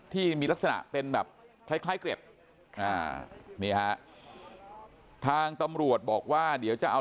ที่มีลักษณะเป็นแบบคล้ายเกร็ดนี่ฮะทางตำรวจบอกว่าเดี๋ยวจะเอา